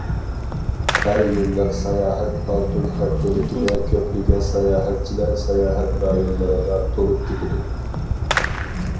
ھەر يىللىق ساياھەت ئالتۇن ھەپتىلىكىدە، كۆپلىگەن ساياھەتچىلەر ساياھەت رايونلىرىغا تولۇپ كېتىدۇ.